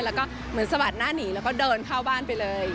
แล้วก็เหมือนสะบัดหน้าหนีแล้วก็เดินเข้าบ้านไปเลย